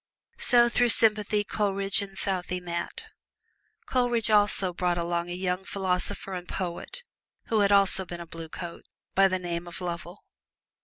So through sympathy Coleridge and Southey met. Coleridge also brought along a young philosopher and poet, who had also been a Blue Coat, by the name of Lovell.